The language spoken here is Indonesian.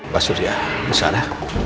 pak surya besara